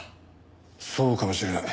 そうかもしれない。